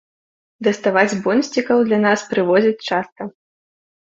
Даставаць бонсцікаў да нас прывозяць часта.